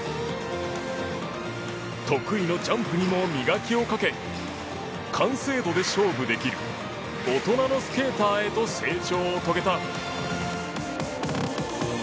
得意のジャンプにも磨きをかけ完成度で勝負できる大人のスケーターへと成長を遂げた。